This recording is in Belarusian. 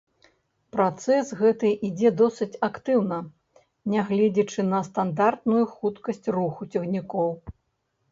Працэс гэты ідзе досыць актыўна, нягледзячы на стандартную хуткасць руху цягнікоў.